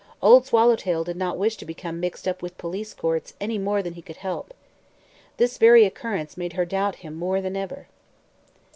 Old Swallowtail did not wish to become mixed up with police courts any more than he could help. This very occurrence made her doubt him more than ever.